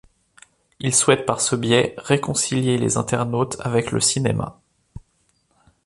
Il souhaite par ce biais réconcilier les internautes avec le cinéma.